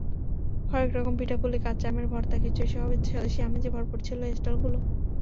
হরেক রকম পিঠা-পুলি, কাঁচা আমের ভর্তা, খিচুড়িসহ স্বদেশি আমেজে ভরপুর ছিল স্টলগুলো।